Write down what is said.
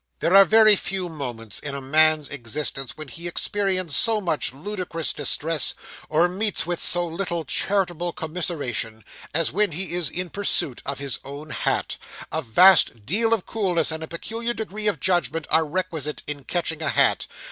There are very few moments in a man's existence when he experiences so much ludicrous distress, or meets with so little charitable commiseration, as when he is in pursuit of his own hat. A vast deal of coolness, and a peculiar degree of judgment, are requisite in catching a hat.